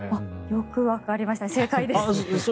よくわかりましたね正解です。